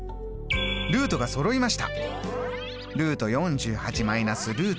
ルートがそろいました！